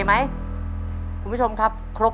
ต้นไม้ประจำจังหวัดระยองการครับ